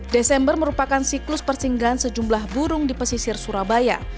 desember merupakan siklus persinggahan sejumlah burung di pesisir surabaya